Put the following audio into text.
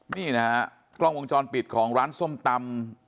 นี่นะฮะกล้องวงจรปิดของร้านส้มตำ